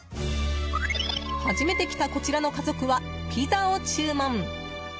初めて来たこちらの家族はピザを注文。